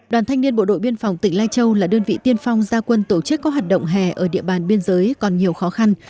đoàn thanh niên bộ đội biên phòng tỉnh lai châu là đơn vị tiên phong gia quân tổ chức các hoạt động hè ở địa bàn biên giới còn nhiều khó khăn